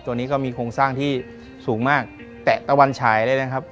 นี้ก็มีโครงสร้างที่สูงมากแตะตะวันฉายเลยนะครับ